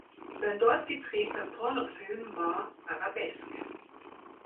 Sein dort gedrehter Pornofilm war "Arabesque".